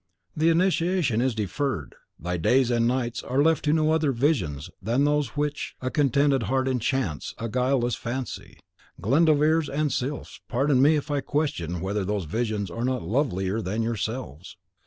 The initiation is deferred, thy days and nights are left to no other visions than those with which a contented heart enchants a guileless fancy. Glendoveers and Sylphs, pardon me if I question whether those visions are not lovelier than yourselves.